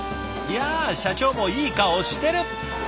いや社長もいい顔してる！